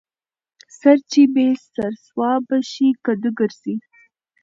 ـ سر چې بې سر سوابه شي کدو ګرځي.